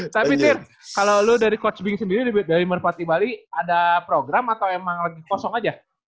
saya pikir kalau lo dari coach bing sendiri di merpati bali ada program atau emang lagi kosong aja